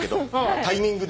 タイミング。